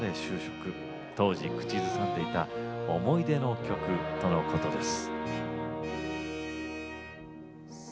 当時口ずさんでいた思い出の曲とのことです。